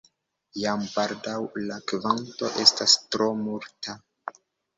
Jam baldaŭ la kvanto estas tro multa.